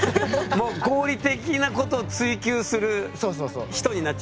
もう合理的なことを追求する人になっちゃった。